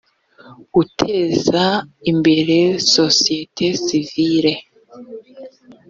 guteza imbere sosiyete sivile